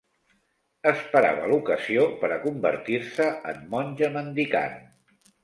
Esperava l'ocasió per a convertir-se en monja mendicant.